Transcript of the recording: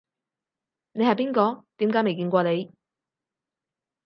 你係邊個？點解未見過你